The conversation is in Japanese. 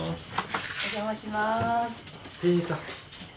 お邪魔します。